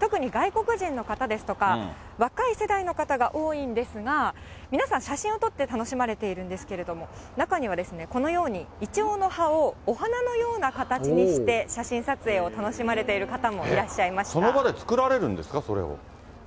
特に外国人の方ですとか、若い世代の方が多いんですが、皆さん、写真を撮って楽しまれているんですけれども、中には、このようにイチョウの葉をお花のような形にして写真撮影を楽しまその場で作られるんですか？